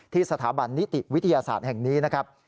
สถาบันนิติวิทยาศาสตร์แห่งนี้นะครับ